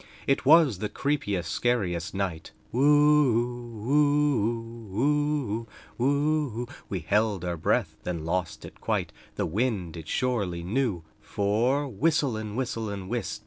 It was the creepiest, scariest night Woo oo, woo oo, woo oo, woo oo, We held our breath, then lost it quite; The wind it surely knew FOR Whistle and whistle and whist!